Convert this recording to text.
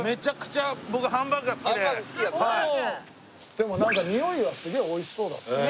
でもなんかにおいはすげえおいしそうだね。